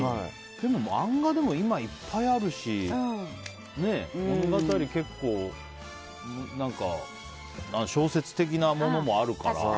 でも漫画でも今いっぱいあるし物語、結構小説的なものもあるから。